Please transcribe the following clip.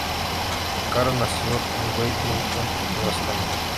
Caro nació en Wellington, Nueva Zelanda.